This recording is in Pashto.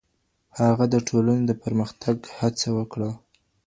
هغه د ټولنې د پرمختګ هڅه وکړه.